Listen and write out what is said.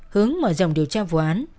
hướng mở dòng điều tra vụ án